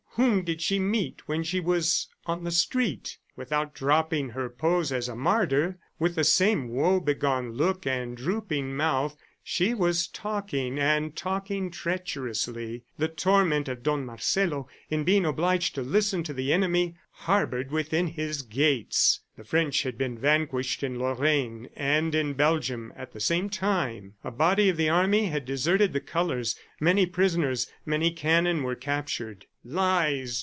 Whom did she meet when she was on the street? ... Without dropping her pose as a martyr, with the same woebegone look and drooping mouth, she was talking, and talking treacherously. The torment of Don Marcelo in being obliged to listen to the enemy harbored within his gates! ... The French had been vanquished in Lorraine and in Belgium at the same time. A body of the army had deserted the colors; many prisoners, many cannon were captured. "Lies!